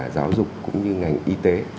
giáo dục cũng như ngành y tế